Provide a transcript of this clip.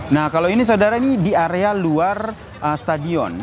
nah kalau ini saudara ini di area luar stadion